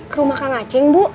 ke rumah kak ngaceng bu